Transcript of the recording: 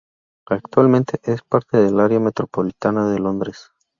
Actualmente es parte del área metropolitana de Londres.